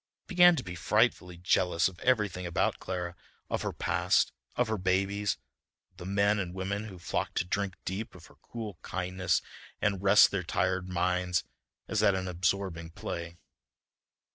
He began to be frightfully jealous of everything about Clara: of her past, of her babies, of the men and women who flocked to drink deep of her cool kindness and rest their tired minds as at an absorbing play.